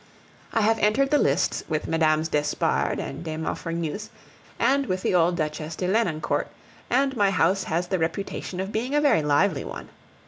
I have entered the lists with Mmes. d'Espard and de Maufrigneuse, and with the old Duchesse de Lenoncourt, and my house has the reputation of being a very lively one.